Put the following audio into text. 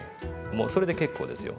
もうそれで結構ですよ。